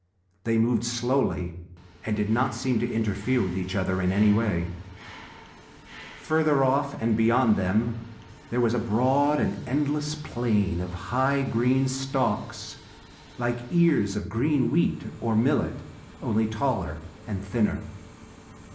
They moved slowly and did not seem to interfere with each other in any way. Further off, and beyond them, there was a broad and endless plain of high green stalks like ears of green wheat or millet, only taller and thinner.